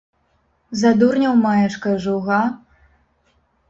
За дурняў маеш, кажу, га?